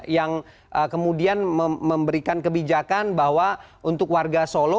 yang kemudian memberikan kebijakan bahwa untuk warga solo